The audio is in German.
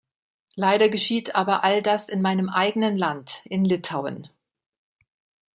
Leider geschieht aber all das in meinem eigenen Land, in Litauen.